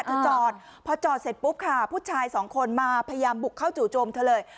จอดพอจอดเสร็จปุ๊บค่ะผู้ชายสองคนมาพยายามบุกเข้าจู่โจมเธอเลย